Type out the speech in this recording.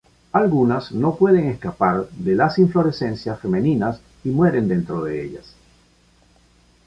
Algunas no pueden escapar de las inflorescencias femeninas y mueren dentro de ellas.